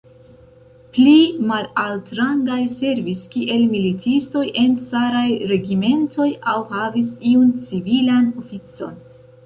Pli malaltrangaj servis kiel militistoj en caraj regimentoj aŭ havis iun civilan oficon.